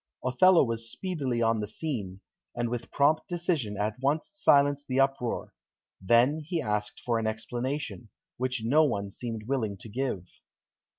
Othello was speedily on the scene, and with prompt decision at once silenced the uproar. Then he asked for an explanation, which no one seemed willing to give.